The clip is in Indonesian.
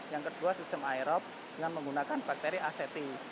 yang kedua sistem aerob dengan menggunakan bakteri aseti